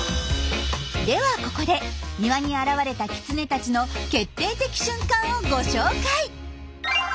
ではここで庭に現れたキツネたちの決定的瞬間をご紹介！